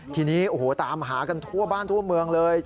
ทีนี้โอ้โหตามหากันทั่วบ้านทั่วเมืองเลย